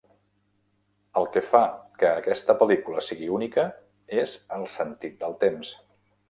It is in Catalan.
El que fa que aquesta pel·lícula sigui única és el sentit del temps.